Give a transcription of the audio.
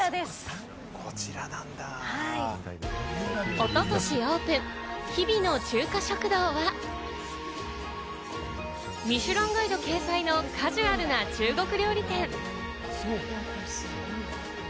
おととしオープン、日々の中華食堂は、『ミシュランガイド』掲載のカジュアルな中国料理店。